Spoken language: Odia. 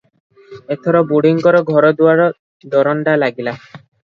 ଏଥର ବୁଢ଼ୀଙ୍କର ଘରଦୁଆର ଦରଣ୍ଡା ଲାଗିଲା ।